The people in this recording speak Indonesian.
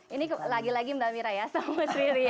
ini lagi lagi mbak mira ya sama mas riri ya